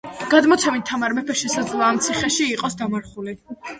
გადმოცემით, თამარ მეფე შესაძლოა ამ ციხეში იყოს დამარხული.